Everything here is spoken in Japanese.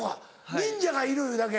忍者がいるだけ？